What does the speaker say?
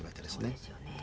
そうですよね。